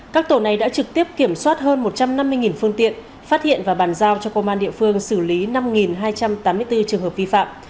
các tổ này đã trực tiếp kiểm soát hơn một trăm năm mươi phương tiện phát hiện và bàn giao cho công an địa phương xử lý năm hai trăm tám mươi bốn trường hợp vi phạm